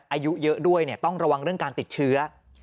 อายุเยอะด้วยต้องระวังเรื่องการติดเชื้อ